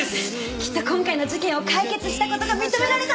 きっと今回の事件を解決した事が認められたんですね！